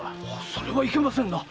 それはいけません。